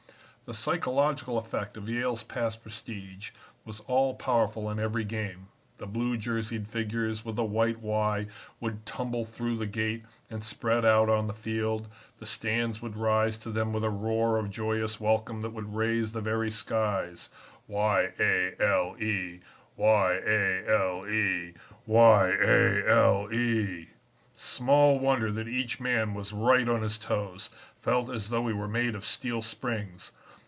"The psychological effect of Yale's past prestige was all powerful in every game. The blue jerseyed figures with the white Y would tumble through the gate and spread out on the field; the stands would rise to them with a roar of joyous welcome that would raise the very skies Y a l e! Y a l e! Y A L E! [Illustration: TWO ACES BILL MORLEY AND HAROLD WEEKS] "'Small wonder that each man was right on his toes, felt as though he were made of steel springs.